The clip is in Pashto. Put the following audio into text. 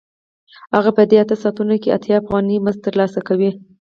هغه په دې اته ساعتونو کې اتیا افغانۍ مزد ترلاسه کوي